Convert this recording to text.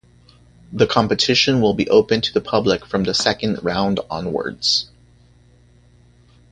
The competition will be open to the public from the second round onwards.